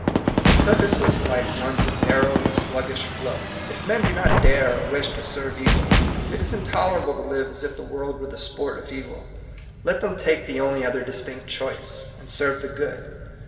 The purposeless life runs with narrow and sluggish flow. If men do not dare or wish to serve evil, if it is intolerable to live as if the world were the sport of evil, let them take the only Vlii INTRODUCTION. Other distinct choice, and serve the good.